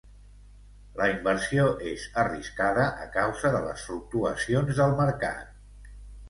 La inversió és arriscada a causa de les fluctuacions del mercat.